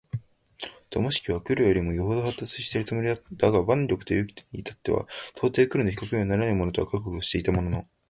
智識は黒よりも余程発達しているつもりだが腕力と勇気とに至っては到底黒の比較にはならないと覚悟はしていたものの、